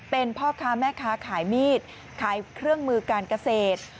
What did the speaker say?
เป็นพ่อค้าแม่ค้าขายมีดขายเครื่องมือการเกษตร